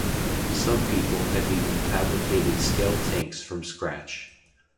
Some people have even fabricated scale tanks from scratch.